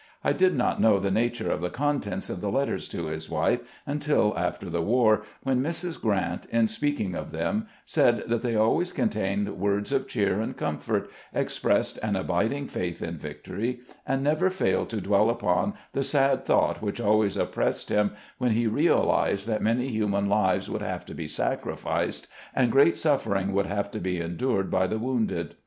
I did not know the nature of the contents of the letters to his wife untn after the war, when Mrs. Grrant, in speaking of them, said that they always contained words of cheer and comfort, expressed an abiding faith in victory, and HIS INSTRUCTIONS TO HIS STAFF 39 never failed to dwell upon tlie sad thought which always oppressed him when he realized that many human lives would have to be sacrificed, and great sufferings would have to be endured by the wounded.